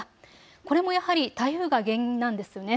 これもやはり台風が原因なんですよね。